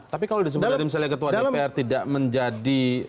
tapi kalau disebut dari misalnya ketua dpr tidak menjadi